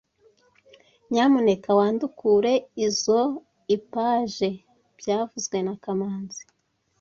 Nyamuneka wandukure izoi page byavuzwe na kamanzi